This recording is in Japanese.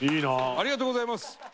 ありがとうございます！